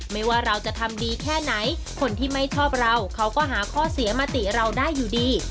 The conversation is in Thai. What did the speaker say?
ไม่ว่าเราจะทำดีแค่ไหนคนที่ไม่ชอบเราเขาก็หาข้อเสียมติเราได้อยู่ดี